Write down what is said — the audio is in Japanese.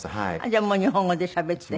じゃあもう日本語でしゃべって？